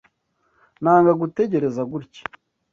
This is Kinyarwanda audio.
Nanga gutegereza gutya.